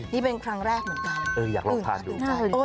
นี่เป็นครั้งแรกเหมือนกันอยากลองทานดู